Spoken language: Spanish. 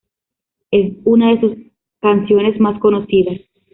Es una de sus canciones más conocidas.